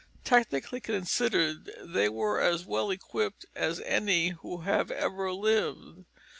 Technically considered, they were as well equipped as any who have ever lived.